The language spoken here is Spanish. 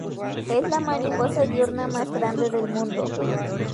Es la mariposa diurna más grande del mundo.